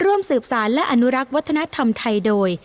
ร่วมสืบสารและอนุรักษ์วัฒนธรรมไทยโดย